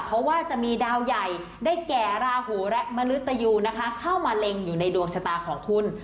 เพราะว่าจะมีดาวใหญ่ได้แก่ราหูและมนุตยูนะคะเข้ามาเล็งอยู่ในดวงชะตาของคุณ